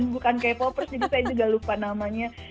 bukan k popers jadi saya juga lupa namanya